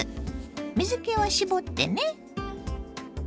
水けは絞ってね。